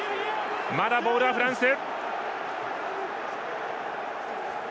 まだボールはフランス。